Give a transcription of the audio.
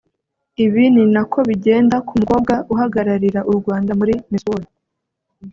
Ibi ni nako bigenda ku mukobwa uhagararira u Rwanda muri Miss World